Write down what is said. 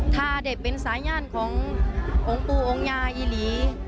ถ้าได้เป็นสาย่านขององค์ปู่องค์ยาอีหลี